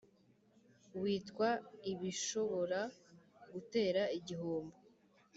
witwa Ibishobora gutera igihombo